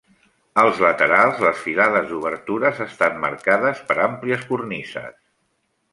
Als laterals les filades d'obertures estan marcades per àmplies cornises.